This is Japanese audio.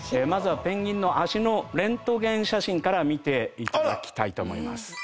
まずはペンギンの足のレントゲン写真から見ていただきたいと思います。